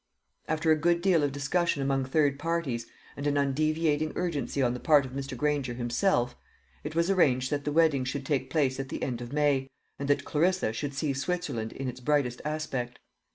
After a good deal of discussion among third parties, and an undeviating urgency on the part of Mr. Granger himself, it was arranged that the wedding should take place at the end of May, and that Clarissa should see Switzerland in its brightest aspect.